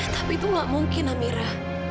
tapi itu gak mungkin amira